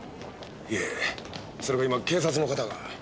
いえそれが今警察の方が。